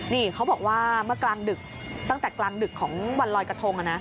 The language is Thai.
นี่เขาบอกว่าเมื่อกลางดึกตั้งแต่กลางดึกของวันลอยกระทง